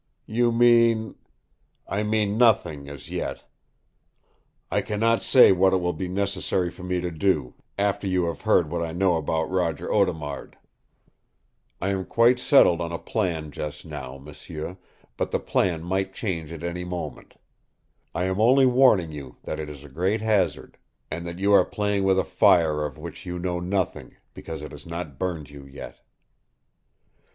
"You mean?" "I mean nothing, as yet. I can not say what it will be necessary for me to do, after you have heard what I know about Roger Audemard. I am quite settled on a plan just now, m'sieu, but the plan might change at any moment. I am only warning you that it is a great hazard, and that you are playing with a fire of which you know nothing, because it has not burned you yet."